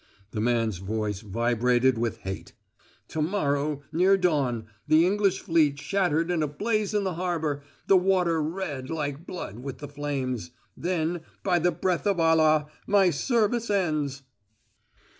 The man's voice vibrated with hate. "To morrow, near dawn the English fleet shattered and ablaze in the harbor the water red, like blood, with the flames. Then, by the breath of Allah, my service ends!"